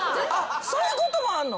そういうこともあんの？